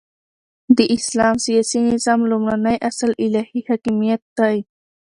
د اسلام سیاسی نظام لومړنی اصل الهی حاکمیت دی،